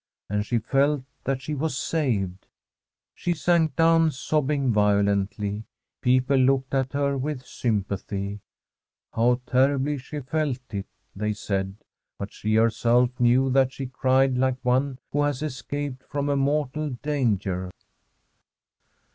And she felt that she was saved. I 333 ] Fr$m 4 SfFEDISH HOMESTEAD She sank down sobbing violently. People looked at her with sympathy. ' How terribly she felt it !' they said. But she herself knew that she cried like one who has escaped from a mortal danger.